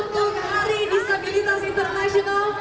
untuk hari disabilitas internasional